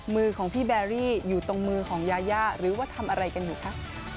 มือของพี่แบรี่อยู่ตรงมือของยายาหรือว่าทำอะไรกันอยู่คะ